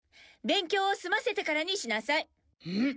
勉強を済ませてからにしなさい。